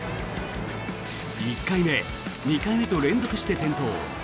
１回目、２回目と連続して転倒。